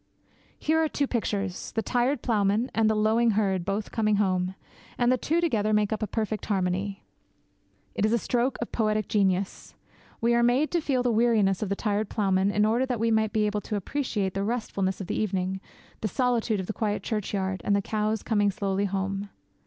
Here are two pictures the tired ploughman and the lowing herd both coming home; and the two together make up a perfect harmony. It is a stroke of poetic genius. We are made to feel the weariness of the tired ploughman in order that we may be able to appreciate the restfulness of the evening, the solitude of the quiet churchyard, and the cows coming slowly home.